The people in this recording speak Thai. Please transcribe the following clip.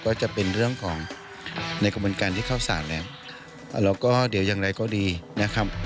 ก็จะเป็นเรื่องของในกระบวนการที่เข้าสารแล้วแล้วก็เดี๋ยวอย่างไรก็ดีนะครับ